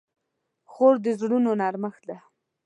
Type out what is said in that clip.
خور د زړونو نرمښت ده.